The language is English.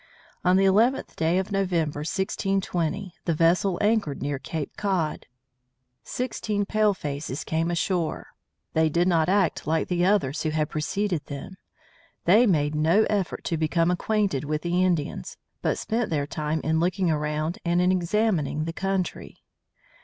On the eleventh day of November, 1620, the vessel anchored near Cape Cod. Sixteen palefaces came ashore. They did not act like the others who had preceded them. They made no effort to become acquainted with the Indians, but spent their time in looking around and in examining the country.